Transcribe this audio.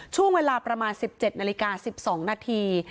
ช่วงเวลาประมาณ๑๗นาฬิกา๑๒นาที